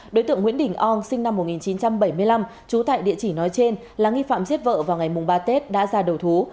đối tượng nguyễn đình on sinh năm một nghìn chín trăm bảy mươi năm trú tại địa chỉ nói trên là nghi phạm giết vợ vào ngày ba tết đã ra đầu thú